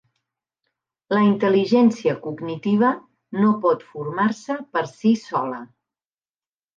La intel·ligència cognitiva no pot formar-se per si sola.